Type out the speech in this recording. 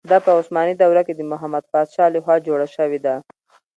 دا په عثماني دوره کې د محمد پاشا له خوا جوړه شوې ده.